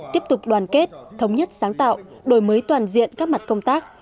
tiếp tục đoàn kết thống nhất sáng tạo đổi mới toàn diện các mặt công tác